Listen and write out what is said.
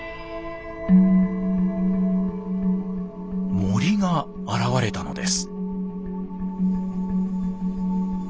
森が現れたのです。